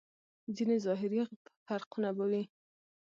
ځينې ظاهري فرقونه به وي.